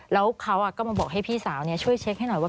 แล้วเขาก็มาบอกให้พี่สาวช่วยเช็คให้หน่อยว่า